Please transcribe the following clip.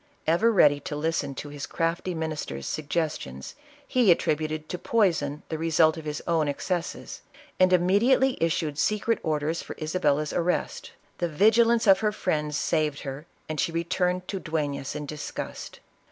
Ever ready to listen to his crafty minister's sug gestions, he attributed to poison the result of his .own excesses, and immediately issued secret orders for Isabella's arrest. The vigilance of her friends saved her, and she returned to Dueiias in disgust.